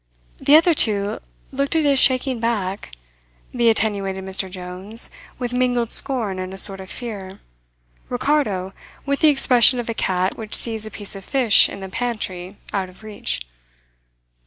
The other two looked at his shaking back the attenuated Mr. Jones with mingled scorn and a sort of fear, Ricardo with the expression of a cat which sees a piece of fish in the pantry out of reach.